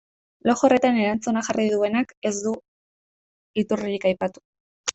Blog horretan erantzuna jarri duenak ez du iturririk aipatu.